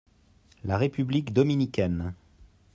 la République dominicaine.